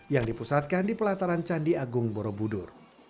yang dipusatkan di pelataran candi agung borobudur